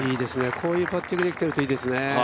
こういうパッティングができているといいですね。